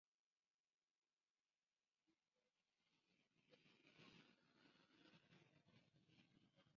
Kento Hori